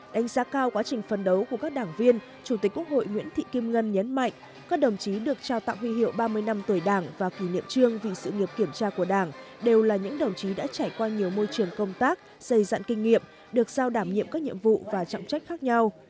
đánh giá cao quá trình phấn đấu của các đảng viên chủ tịch quốc hội nguyễn thị kim ngân nhấn mạnh các đồng chí được trao tặng huy hiệu ba mươi năm tuổi đảng và kỷ niệm trương vì sự nghiệp kiểm tra của đảng đều là những đồng chí đã trải qua nhiều môi trường công tác xây dặn kinh nghiệm được giao đảm nhiệm các nhiệm vụ và trọng trách khác nhau